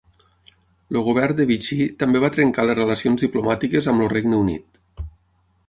El govern de Vichy també va trencar les relacions diplomàtiques amb el Regne Unit.